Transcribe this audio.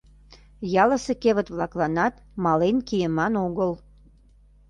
Ялысе кевыт-влакланат мален кийыман огыл.